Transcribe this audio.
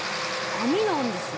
網なんですね。